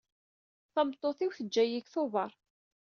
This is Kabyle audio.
Tameṭṭut-iw teǧǧa-yi deg Tubeṛ.